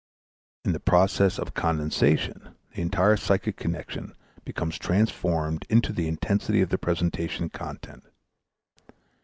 In the process of condensation the entire psychic connection becomes transformed into the intensity of the presentation content.